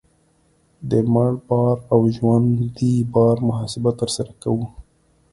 د مړ بار او ژوندي بار محاسبه ترسره کوو